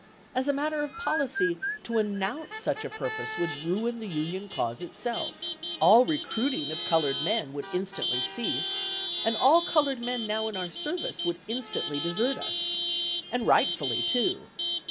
As matter of policy, to announce such a purpose would ruin the Union cause itself. All recruiting of colored men would instantly cease, and all colored men now in our service would instantly desert us. And rightfully, too.